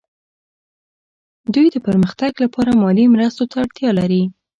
دوی د پرمختګ لپاره مالي مرستو ته اړتیا لري